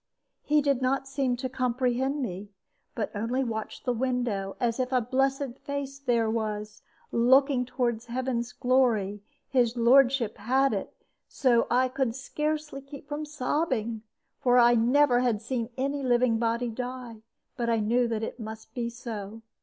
"He did not seem to comprehend me, but only watched the window; and if ever a blessed face there was, looking toward heaven's glory, his lordship had it, so that I could scarcely keep from sobbing. For I never had seen any living body die, but knew that it must be so.